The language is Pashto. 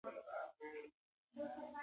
د نجونو تعلیم د ټولنې پرمختګ سبب ګرځي.